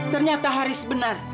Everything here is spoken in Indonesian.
ternyata haris benar